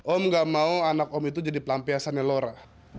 om gak mau anak om itu jadi pelampiasannya lora